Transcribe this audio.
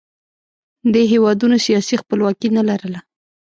دې هېوادونو سیاسي خپلواکي نه لرله